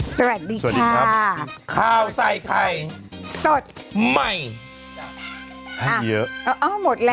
สวัสดีค่ะ